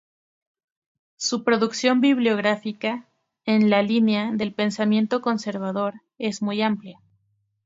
Su producción bibliográfica, en la línea del pensamiento conservador, es muy amplia.